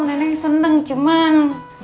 nenek seneng cuman